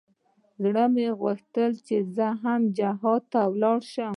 زړه مې غوښت چې زه هم جهاد ته ولاړ سم.